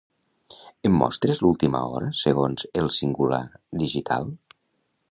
Em mostres l'última hora segons "El Singular Digital"?